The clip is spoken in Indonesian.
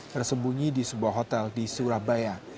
bersembunyi di sebuah hotel di surabaya